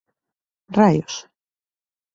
Raios.